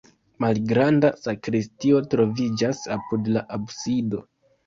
Malgranda sakristio troviĝas apud la absido.